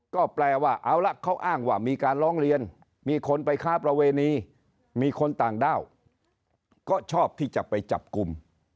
ก็แปลว่าเอาละเขาอ้างว่ามีการร้องเรียนมีคนไปค้าประเวณีมีคนต่างด้าวก็ชอบที่จะไปจับกลุ่ม